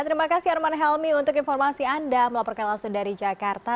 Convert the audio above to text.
terima kasih arman helmi untuk informasi anda melaporkan langsung dari jakarta